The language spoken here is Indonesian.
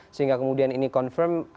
sehingga kemudian ini confirm